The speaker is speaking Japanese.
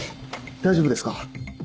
大丈夫ですか？